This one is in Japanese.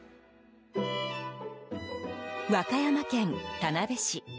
和歌山県田辺市。